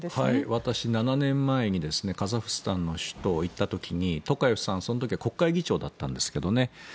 私、７年前にカザフスタンの首都に行った時にトカエフさん、その時は国会議長だったんですけどね。